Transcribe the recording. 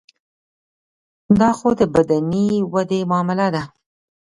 دا خو د بدني ودې معامله ده.